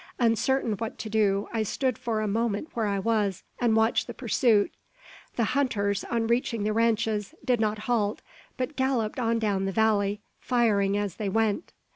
Uncertain what to do, I stood for a moment where I was, and watched the pursuit. The hunters, on reaching the ranches, did not halt, but galloped on down the valley, firing as they went.